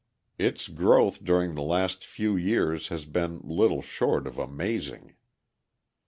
Its growth during the last few years has been little short of amazing.